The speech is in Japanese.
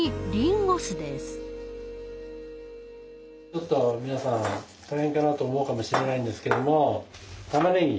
ちょっと皆さん大変かなと思うかもしれないんですけども玉ねぎ。